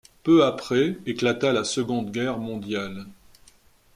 Peu après éclata la Seconde Guerre mondiale.